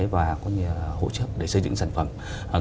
và hỗ trợ để xây dựng sản phẩm